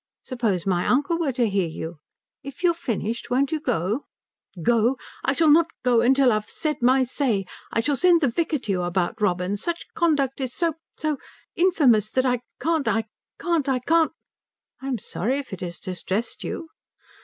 Suppose my uncle were to hear you? If you've finished won't you go?" "Go? I shall not go till I have said my say. I shall send the vicar to you about Robin such conduct is so so infamous that I can't I can't I can't " "I'm sorry if it has distressed you."